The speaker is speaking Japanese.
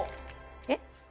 えっ？